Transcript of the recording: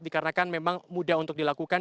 dikarenakan memang mudah untuk dilakukan